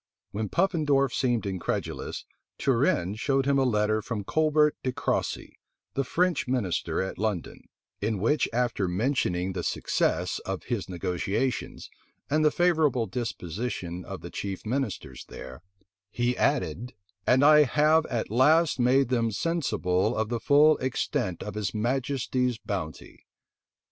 When Puffendorf seemed incredulous, Turenne showed him a letter from Colbert de Crossy, the French minister at London; in which after mentioning the success of his negotiations, and the favorable disposition of the chief ministers there, he added, "And I have at last made them sensible of the full extent of his majesty's bounty."